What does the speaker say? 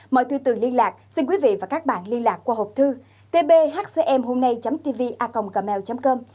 mời thư tưởng liên lạc xin quý vị và các bạn liên lạc qua hộp thư tbhcmhômnay tvacomgmail com